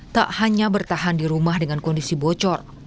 tak hanya bertahan di rumah dengan kondisi bocor